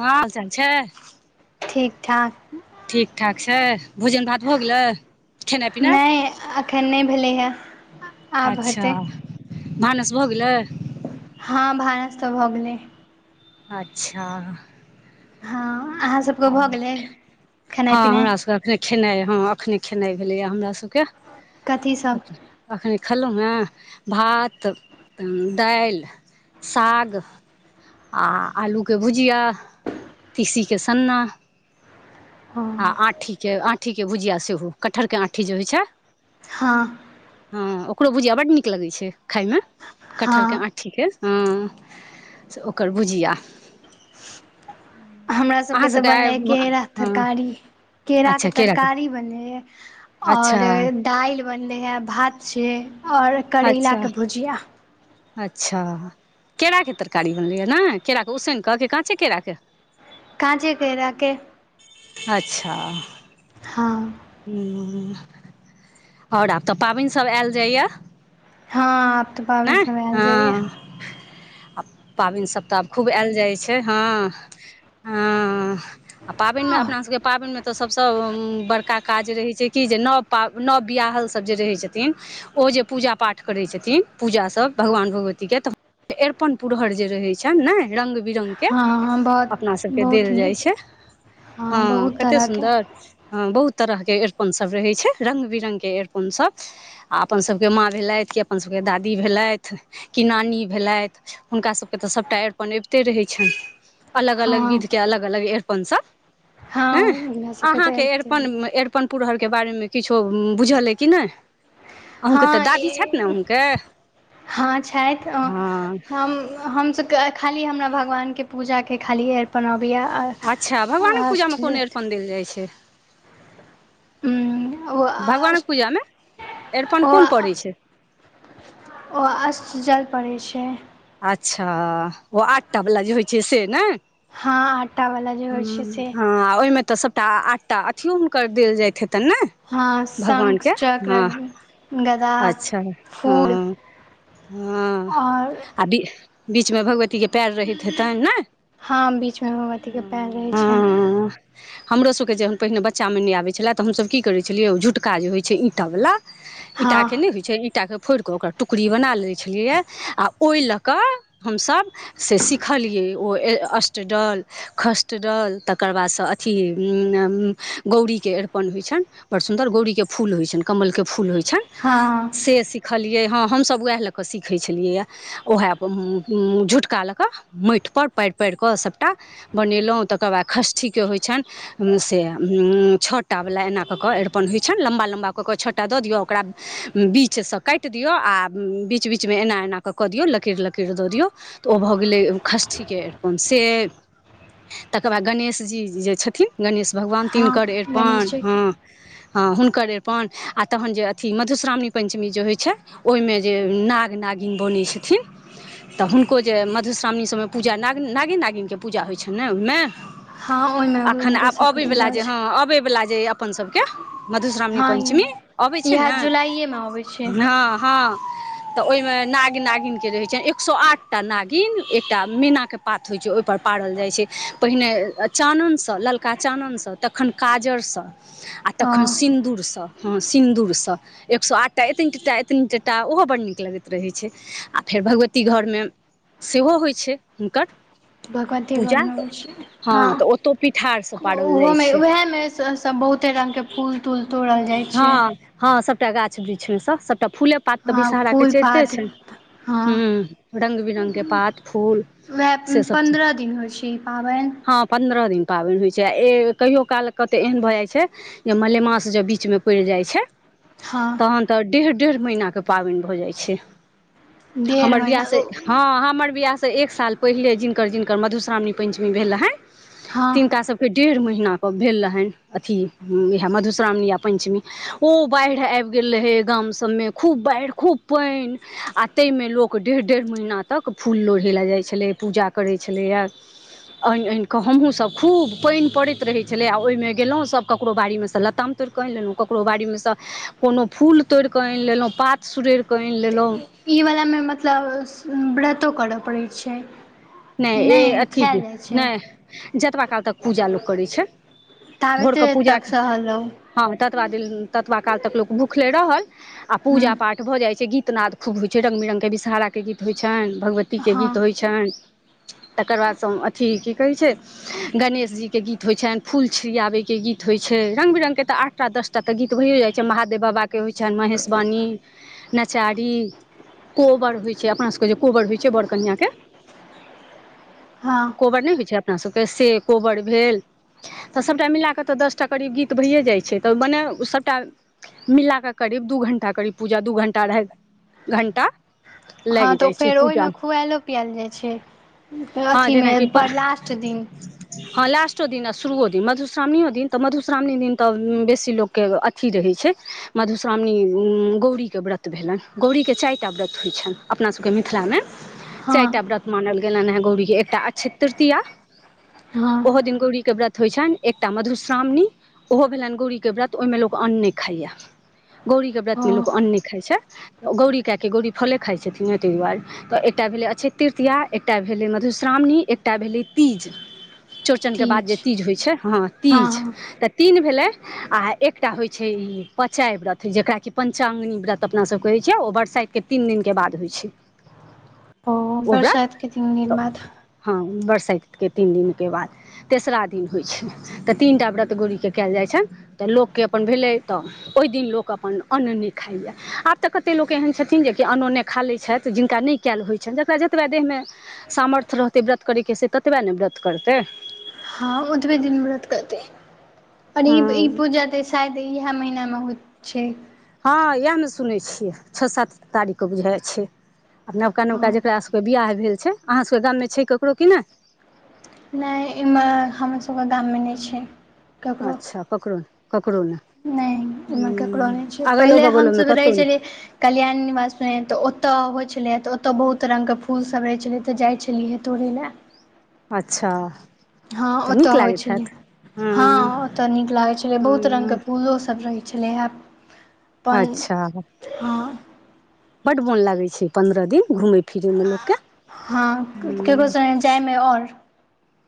हँ से छै ठीक ठाक ठीक ठाक छै भोजन भात भऽ गेलैय खेनाइ पिनाइ नहि एखन नहि भेलै हे आब अच्छा हेतै भानस भऽ गेलैय हँ भानस तऽ भऽ गेलैय अच्छा हाँ अहाँ सबके भऽ गेलैय खेनाई पिनाई खेनाई हाँ एखने खेनाई भेलैय हमरा सबके कथीसभ एखने खेलहुँ ए भात दाइल साग आ आलू के भुजिया तीसी के सन्ना हँ आ आठी के आठीके भुजिआ सेहो कटहरके आँठी जे होइ छै हाँ हाँ ओकरो भुजिया बड नीक लगै छै खायमे हँ कटहर के आँठी के ह ओकर भुजिया हमरा अहाँ सभके तऽ सबके आइ बनलै केरा के हँ तरकारी केरा के अच्छा केराके तरकारी बनलै ए आओर अच्छा दाइल बनलै हे भात छै ओर करैला अच्छा के भुजिया अच्छा केराके तरकारी बनलैए ने केराके उसन कऽ की काॅंचे केराके काॅंचे केराके अच्छा हाँ ह्म ओर आब तऽ पाबनसब आयल जाइए हाँ आब तऽ पावन ने के समय आयल हँ पाबनि सब खूब आयल जाई छै हाँ हाँ आ पाबनिमे आओर अपना सबके पाबनिमे तऽ सबसे बड़का काज रहै छै कि जे नव पा नव बियाहल सब जे रहै छथिन ओ जे पूजा पाठ करै छथिन पूजा सब भगवान भगवती के तऽ अरिपन पुरहर जे रहै छन ने रंग बिरंग के हँ हँ बहुत अपना सबके बहुत देल जाइ नीक छै हँ हाँ बहुत कते तरहके सुन्दर हाँ बहुत तरह के एरपन सब रहे छै रंग बिरंग के एड़पन सब आ अपन सब के माँ भेलथि क अपन सबके दादी भेलथि कि नानी भेलथि हुनका सबके तऽ सबटा अरिपन अबिते रहै छन अलग अलग विध हँ के अलग अलग अरिपन सब हँ ह हमरा सबके अहाँ के तऽ अरिपन मे अर्पन पुरहर के बारेमे किछो बुझल अ कि नहि अहूँके तऽ हँ दादी छथि ने आहूँके हँ छैथ हमसब के खाली हमरा भगवान के पूजा के खालीए अरिपन अबई अच्छा भगवानक पूजामे कोन बिआ अरिपन देल जाइ छै भगवानक पूजामे अरिपन ओ कोन पड़ै छै ओ अस्त जल पड़ै छै अच्छा ओ आठटा वला जे होइ छै से नयि हँ आटावला जे होइ छै ह्म से ह ओहिमे तऽ सभटा आठटा अथियो हुनकर देल जाइत हेतन ने हँ शंख भगवानके ह चक्र गदा अच्छा ह फूल आओर ह आ बीचमे भगवती के पैर रहैत हेतन ने हाँ बीचमे भगवतीके पैर रहय छैन हमरोसबके जन पहिने बच्चामे नहि आबै छले तऽ हमसभ की करै छलियै झुटका जे होइ छै ईटा वाला हँ ईटाके नहि होइत छै ईटाके फोड़ि कऽ ओकरा टुकड़ी बना लै छलियै आ ओहि लऽ कऽ हमसब से सिखलियै ओ अष्टडलष्टडल तकर बादसे अथी गौड़ी के अरिपन होइ छैन बड़ सुन्दर गौड़ी के फूल होई छैन कमल के फुल होई छैन हँ से सीखलिये ह हम सब उहे लऽ कऽ सिखयै छलियै ओएह झुटका लऽ कऽ माटि पर पारि पार कऽ सबटा बनेलौ तकर बाद ष्ठी के होइ छन से छटा एना कऽ कऽ अरिपन होई छैन लम्बा लम्बाक क छटा दऽ दियौ ओकरा बीच सँ काट दियौ आ बीच बीच मे एना एना कऽ कऽ दियौ लकीर लकीर दऽ दियौ तऽ ओ भऽ गेलै षष्ठीके अरिपन से तकर बाद गणेश जी जे छथिन गणेश भगवान हँ तिनकर गणेश अरिपन हँ जीके हँ हुनकर अरिपन आ तहन जे अथी मधुश्रावणी पञ्चमी जे होइ छै ओहिमे जे नाग नागिन बनै छथिन तऽ हुनको जे मधुश्रावणी सभमे पूजा नाग नागे नागिनके पूजा होइत छनि ने ओहि मे हँ ओहिमे अखन हुनके आब सबके अबै पूजा वला होइ जे छै हँ अबै वला जे अपन सभके मधुश्रावणी हँ पंचमी अबै छै ने इएह जुलाइएमे अबै छै ह हँ तऽ ओहिमे नाग नागिन के जे होइ छै एक सो आठ टा नागिन एकटा मैना के पात होय छै ओय पर पारल जाय छै पहिने चाननसँ ललका चाननसँ तखन काजरसँ आ तखन हँ सिन्दूरसँ हँ सिन्दूरसँ एक सए आठटा एतनी टटा एतनी टटा ओहो बड़ नीक लगैत रहै छै आ फेर भगवती घरमे सेहो होइ छै हुनकर भगवती पूजा गरमे अबै छियै हँ तऽ ओतौ पिठारसँ पारल जाइ ओहोमे छै उएह मे सब बहुते रंग के फूल तूल तोड़ल जाइ छै हँ हँ सभटा गाछ वृक्षमे सँ सभटा फूले पात तऽ हँ विषहरा के फूल चढ़िते पात छैन हँ ह रंग बिरंग के पात फूल उएह से सब पन्द्रह दिन होइ छै ई पाबनि हँ पन्द्रह दिन पाबनि होइ छै आ ए कहियओ काल कतेक एहन भऽ जाइ छै जे मलेमास जे बीचमे पड़ि जाइ छै हँ तखन तऽ डेढ़ डेढ़ महीनाके पाबनि भऽ जाइ छै डेढ़ हमर बियाह महीना से हँ हमर बियाह त एक साल पहिले जिनकर जिनकर मधुश्रावणी पंचमी भेल रहन हँ तिनका सब के डेढ़ महीना भेल रहन अथी एहा मधुश्रावणी पंचमी ओ बाढ़ि आबि गेल रहय गाम सभमे खूब बाढ़ि खूब पानि आ ते ताहिमे लोक डेढ़ डेढ़ महिना तक फूल लोढ़ै लए जाइ छलै पूजा करै छलैयै आनि आनि कऽ हमहूँसभ खूब पानि पड़ैत रहैत छलै आ ओहिमे गेलहुँ सभ ककरो बाड़ीमे सँ लताम तोड़ि आनि लेलहु ककरो बाड़ी मे से कोनो फूल तोड़ि कऽ आनि लेलहु पात सुड़ैर कऽ आनि लेलहुँ ई वलामे मतलब व्रतो करय पड़ैत छै कि नहि ए अथी खायल जाइ छै नहि जतबा काल तक पूजा लोक करै छै भोरकऽ ताबेते पूजा तक सहल रहू हँ ततबा दिन ततबा काल तक लोक भूखले रहल आ हूँ पूजा पाठ भऽ जाइत छै गीतनाद खूब होइ छै रङ्ग बिरङ्गके विषहाराके गीत होइत छनि भगवतीके हँ गीत होइ छनि [inaudible] तकर बादसँ अथी की कहै छै गणेशजीके गीत होइ छनि फूल छिड़ियाबैके गीत होइ छै रंग बिरंग के तऽ आठटा दसटा तऽ गीत भयो जाइ छै महादेव बाबा के के होइ छनि महेशवणी नचारी कोबर होइ छैय अपना सभके जे कोबर होइ छैय बड़ कनिआँके हँ कोबर नहि होइ छैय अपनासभके से कोबर भेल तऽ सभटा मिलाकऽ तऽ दसटा करीब गीत भइए जाइत छैय तऽ मने सभटा मिल कऽ क करीब दू घण्टा करीब पूजा दू घण्टा अढ़ाइ घण्टा हँ लागि तऽ जाइ छै फेर पूजा ओहिमे खुआलो पियायल जाइत छैय हँ अथीमे जेनाकि लास्ट दिन हँ लास्टो दिन आ शुरुओ दिन मधुश्रावणियो दिन तऽ मधुश्रावणी दिन तऽ बेसी लोक के अथी रहै छैय छैय मधुश्रावणिय गौरी के व्रत भेलनि गौरी के चारि व्रत हो छन अपना सब के मिथिला मे चार हँ ता व्रत मानल गेलनि हे गौरी के एकटा अ्ष तृतीय हँ ओहो दिन गौरी के व्रत होइत छनि एकटा मधुश्रावणी ओहो भेलनि गौरीके व्रत ओहिमे लोक अन्न नहि खाइए। गौरी के ओ व्रतमे लोक अन्न नहि खइत छैय गौरी कए कऽ गौरी फले खाइत छथिन तहि दुआर तऽ ए एक भेलै अक्षय तृतीय एकटा भेलै मधुश्रावणी एकटा भेलै तीज। चौड़चन के बाद ठीक जे छै तीज होइ छैय हँ तीज तऽ तीन भेलै आ एकटा होइ छैय ई पचाय व्रत जेकरा कि पंचांगनी व्रत अपना सब कहै छैय ओ बरसाइत के तीन दिन के बाद होइ छैय ओ बरषाइत के तीन दीन बाद बरसाइत के तीन दिनके बाद तेसरा दिन होइ छैय तऽ तीन टा व्रत गोरी के कैल जाइ छैय तऽ लोक केँ अपन भेलै तऽ ओहि दिन लोक अपन अन्न नइ खाइ यै आब तऽ कतेक लोक एहन छथिन जेकि अनोने खा लैत छथि जिनका नइ कैल होइ छैय जतबा देहमे सामर्थ्य रहतै व्रत करैके से ततबे ने व्रत करतै ओत बे दिन व्रत करते और ई हँ ई पूजा त शायद इहे महीना मे महत्व छैय। हँ इयेह में सुनै छियै छ सात तारीख के बुझाइयै छैय। आ नवका नवका हँ जकरा सभके बियाह भेल छैय अहाँ सभके गाम मे छैय ककरो की नइ? नए इमहर हमर सभके गाम में नइ छैय। अच्छा ककरो ककरो ने नइ इम्हर ककरो नइ छैय पहिले हम बगलोमे सब कतहु रहै नहि छलियै कल्याण निवास तऽ ओतय होइ छैय। छलै तऽ ओतय बहुत रङ्गके फूलसभ रहै छलै तऽ जाइ छलियै तोड़य लए अच्छा हँ तऽ ओतऽ नीक होइ लागैत छलै हैत हँ ओतय नीक लागे छले बहुत रंग के हँ फूलो सब रहै छैय छलै अपन अच्छा हँ बड्ड मोन लागै छैय पन्द्रह दिन घूमय फिरयमे लोककेँ हँ ककरो संगे जायमे ओर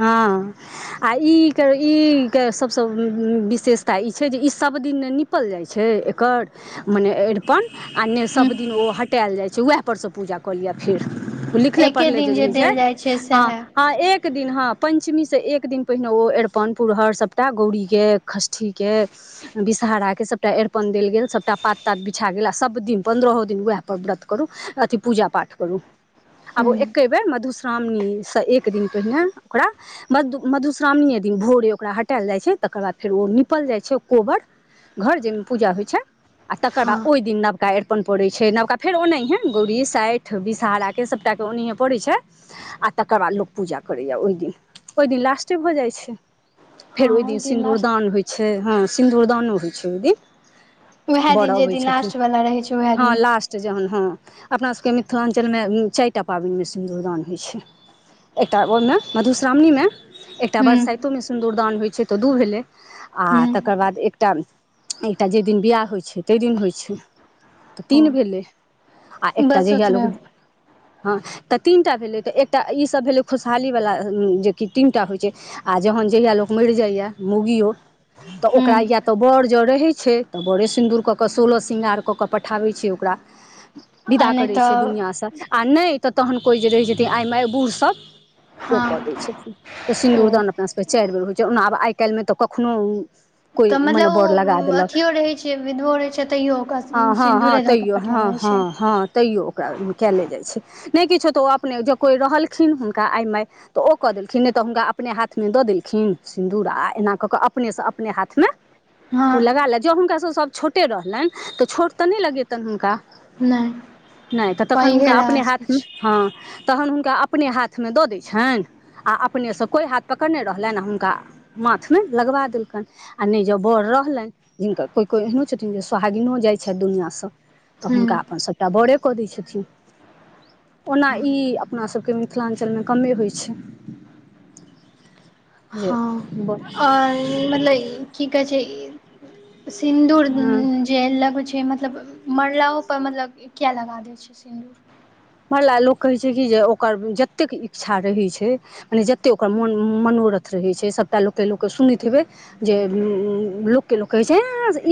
हँ आ ई ई केँ सभसे विशेषता ई छै जे ई सभ सब दिन ने निपल जाइ छैय एकर मने अरिपन आ नइ हूँ सभ दिन ओ हटायल जाय छै उहै पर स पूजा कऽ लिअ फेर। लिखले एके पढ़ले जे दिन रहि जाए देल जाइ छै हां सएह हां एक एक दिन हँ पञ्चमी से एक दिन पहिने ओ अरिपन पुरहर सभटा गौरीके षष्ठीके विषहाराा के सभटा अरिपन देल गेल सभटा पात तात बिछा गेल आ सभ दिन पन्द्रहो दिन उएह पर व्रत कर अथि पूजा पाठ करू आब हूँ एक्के बेर मधुसरावनी से एक दीन पहिने ओकरा मधु मधुश्रावणिये दिन भोरे ओकरा हटाएल जाइ छैय तकर बाद फेर ओ निपल जाइ छैय। कोबर घर जेहिमे पूजा होइ छैय आ तकर बाद हँ ओई दिन नवका अरिपन पड़ै छैय नवका फेर ओनाहिये गौरी साइठ विषहाराके सभटा पड़ै छैय आ तकर बाद लोक पूजा कर करैय ओई दिन ओई दिन लास्टे भऽ जाइ छैय हँ फेर ओई ओहि दिन लास्ट सिन्दूुरदान होइ छैय हँ सिन्दूर दानो होइ छैय ओहि दिन उएह बड़ दिन जे अबै दिन छथिन लास्ट वला रहै छै उएह हँ दिन लास्ट जहन हँ अपना सबके मिथिलाञ्चलमे चारिटा पाबन में सिनदूर दान होइ छैय। टा ओई में मधुश्रावणी मे एकटा हूँ बरसाइतो मे सुन दुरदान होइत छै तऽ दू भेलै आ हूँ तकर बाद एकटा एकटा जै दिन बियाह होइत छै तै दिन होइत छै तऽ तीन ओ भेलैक आ एकटा बस जहिया ओतबे लोक हँ तऽ तीनटा भेलै तऽ एक ईसभ भेलै खुशहाली वला जेकि तीन टा होइत छैक आ जहन जहिया लोक मरि जाइए मोउगियो तऽ ओकरा हूँ या तऽ बड़ ज रहैत छै तऽ बरे सिन्दूर कऽ कऽ सोलह स्रृंगार कऽ कऽ पठाबैत छै ओकरा [inaudible] विदा नहि करैत छै तऽ दुनिआँ स आ नहि तऽ तहन कोइ जे रहैत आइ माय बूढ़सभ ओ कऽ दै हँ छथिन तऽ ओ सिन्दूरदान अपना सभकेँ चाइर बेर होइत छैक ओना आब आइ काल्हिमे तऽ कखनो कोइ तऽ मने मतलब बर लगा ओ देलक अथियो रहैत छै विधवो रहैत छै तैयो हँ ओकरा हँ हँ सिन्दूरे दऽ केँ तैयो पठा हँ छै हँ हँ तैयो ओकरा कयले जाइत छैक नहि किछो तऽ ओ अपने जे कोई रहलखिन हुनका आइ माय तऽ ओ कऽ देलखिन नहि तऽ हुनका अपने हाथमे दऽ देलखिन सिन्दूर आ एना कऽ कऽ अपनेसँ अपने हाथ मे ओ हँ लगा ले जँ हुनकासँ सभ छोटे रहलनि तऽ छोट तऽ नहि लगेतनि हुनका नहि तऽ तखन पैघे हुनका अपने लगा सकै हाथमे छी हँ तहन हुनका अपने हाथ हाथमे दऽ दैत छनि आ अपनेसँ कोई हाथ पकड़ने रहलनि आ हुनका माथमे लगबा देलकनि आ नहि जँ बड़ रहलनि जिनका कोइ कोइ एहनो छथिन जे सोहागिनो जाइत छथि दुनिआसँ तऽ हुनका हूँ अपन सभटा बरे कऽ दैत छथिन ओना ई अपना सभकेँ मिथिलाञ्चलमे कमे होइत छैक जे हँ बस आओर मतलब की कहैत छै सिन्दूर हँ जे लग छै मतलब मरलाहोपर मतलब किए लगा दैत छै सिन्दूर ला लोग कहैत छै की जे ओकर जतेक इच्छा रहैत छै मने जते ओकर मन मनोरथ रहैत छै सबटा लोककेँ लोक सुनैत हेबय जे केँ लोक होे छै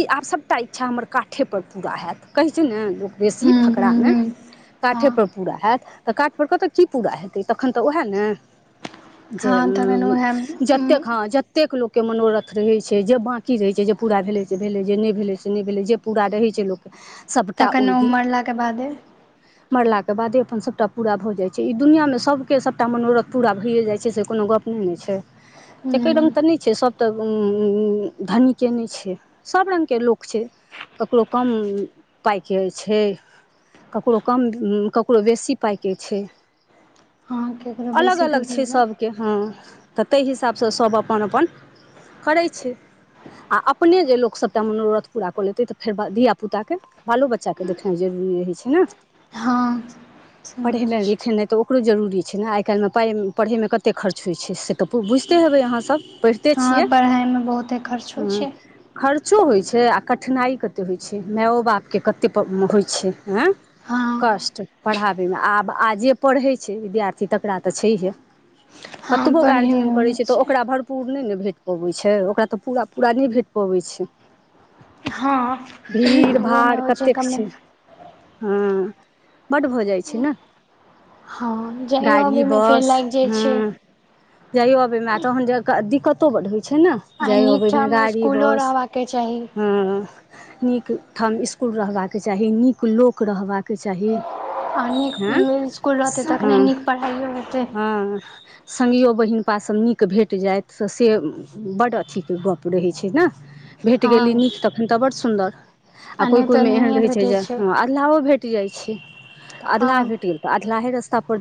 ई आब सबटा इच्छा हमर काठेपर पूरा हैत कहैत छै ने लोक बेसी हूँ हूँ फकरामे हूँ हँ काठेपर पूरा हयत तऽ काठपर कतय की पूरा हेत तखन तऽ उएह ने जे हँ तखन उ उएह जतेक ख कतेक लोककेँ मनोरथ रहैत छै जे बांकी रहय छै जे पूरा भेलय से भेलय जे नहि भेलय से नहि भेलय जे पूरा रहय छै जे लोक तखन ओ मरलाकेँ बादे मरलाक के बादे अपन सबटा पूरा भऽ जाइ छै ई दुनिया मे सबकेँ सबटा मनोरथ पूरा भइयए जाइत छैक से कोनो गप नहि ने छै एके रंग तऽ नहि छैक सभ तऽ धनीकेँ नहि छैक सभ रङ्गके लोक छैक ककरो कम पाइकेँ छै ककरो कम ककरो बेसी पाइके छै हँ केकरो अलग बेसी अलग छै केकरो सभकेँ हँ तऽ ताहि हिसाबसँ सभ अपन अपन करैत छै आ अपने जे लोक सभटा मनोरथ पूरा कऽ लतै तऽ फेर धिय पुताकेँ बालो बच्चाकेँ देखनाइ जरुरी रहइ छै ने [unintelligible] हँ पढ़ेनाइ समझ लिखेनाइ तऽ ओकरो जरुरी छै ने आइ कालमे पाई पढ़े मे कते खर्च होइ छै से तऽ बुझते हे अ पढ़े हँ छियै पढ़ाइमे बहुते खर्च होइ छै ख [unintelligible] क्चो होइत छै आ कठिनाइ कतेक होइत छै माओ बापकेँ कतेक होइत छैक आँ हँ कष्ट पढ़ाबयमे आब आ जे पढ़ैत छै विद्यार्थी तकरा तऽ छैहे हँ कतबो पढ़ैमे गार्जियन करे होइ छै तऽ ओकरा भरपूर नहि ने भेट पबैत छै ओकरा तऽ पूरा पूरा नहि भेट पबैत छै हँ भीड़ ओहोमे भाड़ होइ छै कतेक कमे छैक हँ बड्ड भऽ जाइत छैक ने हँ जाइयो गाड़ी अबैमे फेर बस लागि जाइ छै हँ जाइयो अबय मे तहन दिक्कतो बड होइत छैक छै न आ जाय नीक अबैमे ठाम गाड़ी इसकुलो बस रहबाके चाही हँ नीक ठाम इसकुल रहबाके चाही नीक लोक रहबाके चाही आ नीक हँ इसकुल रहतै तखने हँ नीक पढ़ाइयो हेतै हँ संगियो बहिनपा सभ नीक भेट जाऐत तऽ से बड्ड अथीके गप्प रहै छै न भेट गेली हँ नीक तखन तऽ बड सुन्दर आ कोइ नहि तऽ कोइमे एहन नहिए रहै छै भेटै जे ओ भेट जाय छै तऽ अधलाह हँ भेट गेल तऽ अधलाहे रस्ता पर धि